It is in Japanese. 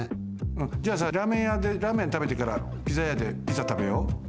じゃあさラーメンやでラーメンたべてからピザやでピザたべよ！